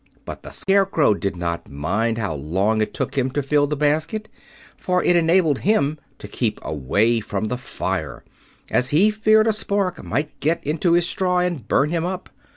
But the Scarecrow did not mind how long it took him to fill the basket, for it enabled him to keep away from the fire, as he feared a spark might get into his straw and burn him up.